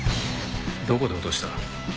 どこで落とした？